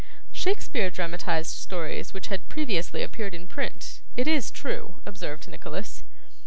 'Shakespeare dramatised stories which had previously appeared in print, it is true,' observed Nicholas.